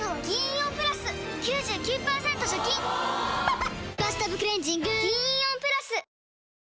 ・おぉ「バスタブクレンジング」銀イオンプラス！